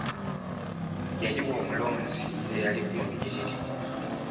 Yayiwa omulonzi eyali mu lunyiriri.